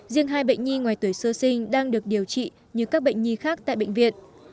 riêng hai bệnh nhi ngoài tuổi sơ sinh đang được điều trị như các bệnh nhi khác tại bệnh viện